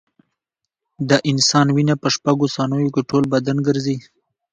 د انسان وینه په شپږو ثانیو کې ټول بدن ګرځي.